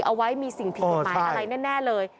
เอาไว้มีสิ่งผิดกฎหมายอะไรแน่เลย